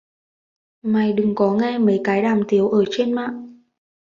Mày đừng có nghe mấy cái đàm tiếu ở trên mạng